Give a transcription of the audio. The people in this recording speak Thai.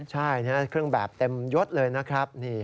ใช่เครื่องแบบเต็มยดเลยนะครับ